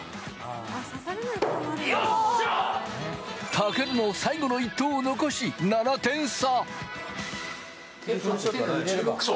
たけるの最後の１投を残し、７点差。